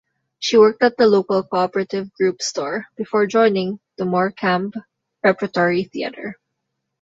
She worked at the local Co-operative Group store before joining the Morecambe Repertory Theatre.